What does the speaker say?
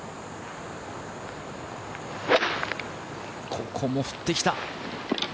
ここも振ってきた。